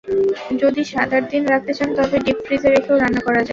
যদি সাত-আট দিন রাখতে চান, তবে ডিপ ফ্রিজে রেখেও রান্না করা যায়।